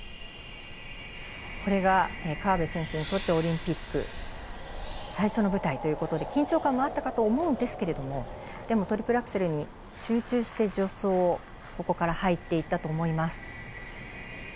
これが河辺選手にとってオリンピック最初の舞台ということで緊張感もあったかと思うんですがトリプルアクセルに集中して助走を入っていったと思います。